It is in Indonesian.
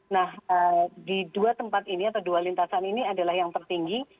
nah di dua tempat ini atau dua lintasan ini adalah yang tertinggi